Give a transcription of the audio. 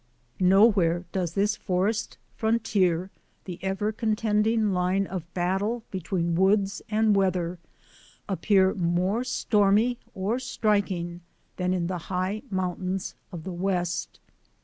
Nowhere does this forest frontier — the ever contending line of battle between woods and weather — appear more stormy or striking than in the high mountains of the West.